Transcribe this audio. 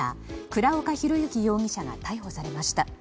倉岡宏行容疑者が逮捕されました。